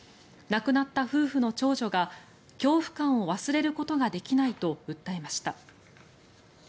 亡くなった夫婦の長女が恐怖感を忘れることができないと訴えました。